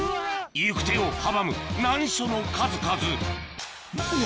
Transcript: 行く手を阻む難所の数々うわ